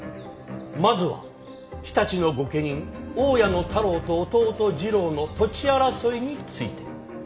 まずは常陸の御家人大谷太郎と弟次郎の土地争いについて。